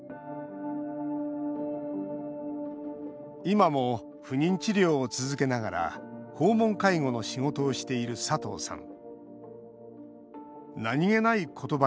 今も不妊治療を続けながら訪問介護の仕事をしている佐藤さん。